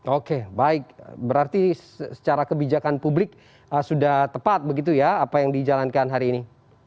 oke baik berarti secara kebijakan publik sudah tepat begitu ya apa yang dijalankan hari ini